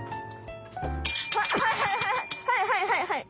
はいはいはい！